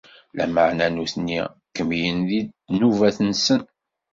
Lameɛna nutni kemmlen di ddnubat-nsen.